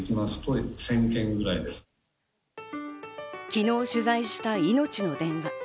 昨日取材した、いのちの電話。